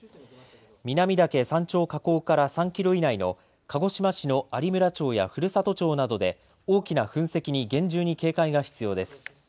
南岳山頂火口から３キロ以内の鹿児島市の有村町や古里町などで大きな噴石に厳重に警戒が必要です。